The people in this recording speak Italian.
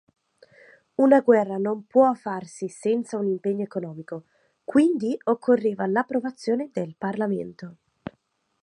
Una guerra non può farsi senza un impegno economico, quindi occorreva l'approvazione del Parlamento.